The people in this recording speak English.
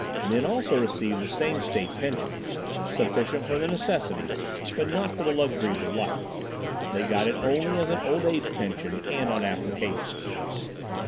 Men also received the same State pension, sufficient for the necessities but not for the luxuries of life. They got it only as an old age pension, and on application.